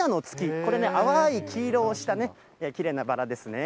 これね、淡い黄色をしたきれいなバラですね。